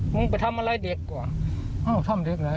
มึงไปทำอะไรเด็กวะเฮ้าทำเรื่อง